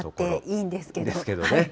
いいんですけどね。